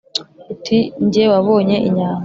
uti « jye wabonye inyambo,